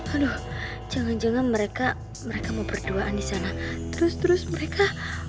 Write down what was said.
aduh jangan jangan mereka mau berduaan disana terus terus mereka